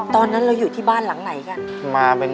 ตอนนั้นเราอยู่ที่บ้านหลังไหนกัน